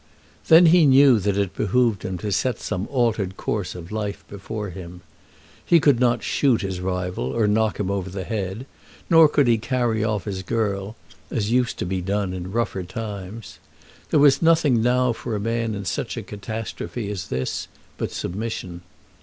Then he knew that it behoved him to set some altered course of life before him. He could not shoot his rival or knock him over the head, nor could he carry off his girl, as used to be done in rougher times. There was nothing now for a man in such a catastrophe as this but submission.